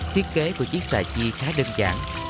thiết kế của chiếc xà chi khá đơn giản